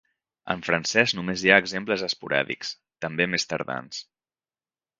En francès només hi ha exemples esporàdics, també més tardans.